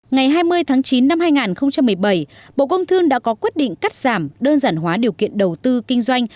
ngày hai mươi tháng chín năm hai nghìn một mươi bảy bộ công thương đã có quyết định cắt giảm đơn giản hóa điều kiện đầu tư kinh doanh